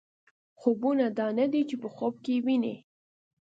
خوبونه دا نه دي چې په خوب کې یې وینئ.